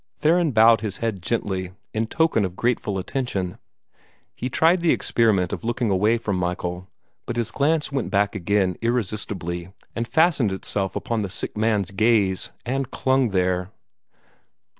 Theron bowed his head gently, in token of grateful attention. He tried the experiment of looking away from Michael, but his glance went back again irresistibly, and fastened itself upon the sick man's gaze, and clung there.